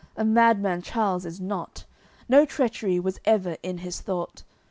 A madman Charles is not, No treachery was ever in his thought.